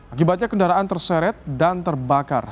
akibatnya kendaraan terseret dan terbakar